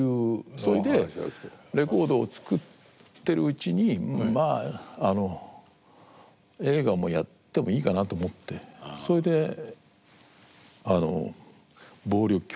それでレコードを作ってるうちにまああの映画もやってもいいかなと思ってそれであの「暴力教室」という東映の映画を。